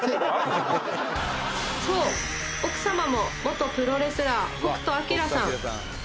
そう奥様も元プロレスラー北斗晶さん